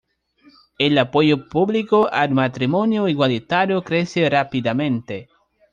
El apoyo público al matrimonio igualitario crece rápidamente.